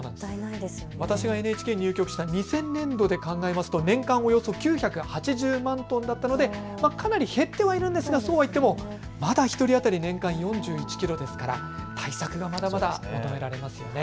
私がＮＨＫに入局した２０００年度で考えますと年間およそ９８０万トンだったので、かなり減ってはいるんですが、そうは言ってもまだ１人当たり年間４１キロですから対策がまだまだ求められますね。